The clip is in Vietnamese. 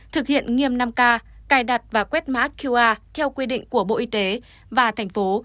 thực hiện nghiêm năm k cài đặt và quét mã qr theo quy định của bộ y tế và thành phố